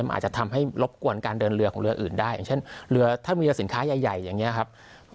มันอาจจะทำให้รบกวนการเดินเรือของเรืออื่นได้อย่างเช่นเรือถ้ามีเรือสินค้าใหญ่อย่างนี้ครับ